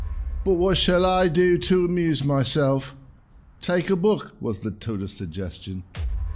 " But what shall I do to amuse my self?" "Take a book," was the tutor's suggestion.